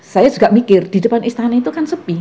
saya juga mikir di depan istana itu kan sepi